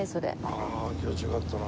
ああ気持ちよかったな。